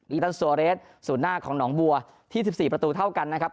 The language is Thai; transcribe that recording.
อิงตันสัวเรสส่วนหน้าของหนองบัวที่๑๔ประตูเท่ากันนะครับ